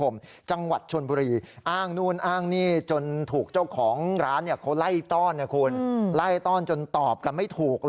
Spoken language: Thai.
มุกเลยนะฮะ